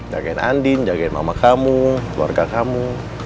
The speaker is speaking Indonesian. jagain andin jagain mama kamu keluarga kamu